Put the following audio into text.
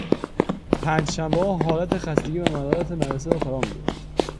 پنجشنبهها حالت خستگی و ملالت مدرسه را فرامیگرفت